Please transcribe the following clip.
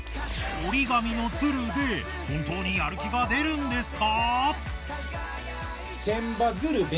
折り紙の鶴で本当にやる気が出るんですか？